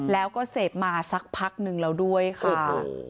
แล้วก็เสพมาสักพักนึงแล้วด้วยค่ะ